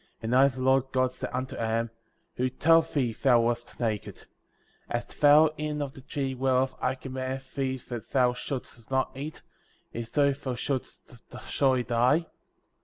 17. And I, the Lord God, said unto Adam: Who told thee thou wast naked ?^ Hast thou eaten of the tree whereof I commanded thee that thou shouldst not eat, if so thou shouldst surely die